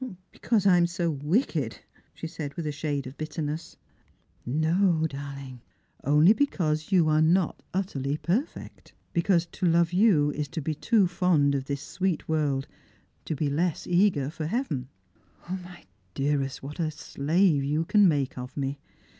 " Because I am so wicked," she said with a shade of bitterness. "No, darhng; only because you are not utterly perfect? K. 142 Slrangen and Pilgrims. because to love yon is to be too fond of this sweet world, to be less eager for heaven. my dearest, what a slave you can make of me